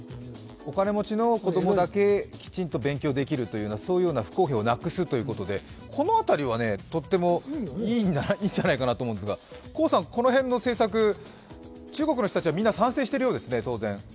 お金持ちの子供だけきちんと勉強できるという不公平をなくすということでこの辺りはとってもいいんじゃないかと思うんですけどこの辺の政策、中国の人たちは当然みんな賛成しているそうですね。